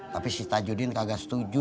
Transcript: tapi si tajudin kagak setuju